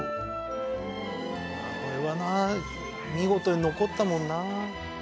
これはな見事に残ったもんな。